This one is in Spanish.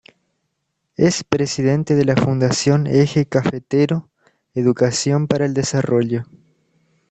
Es Presidente de la Fundación Eje Cafetero Educación para el Desarrollo.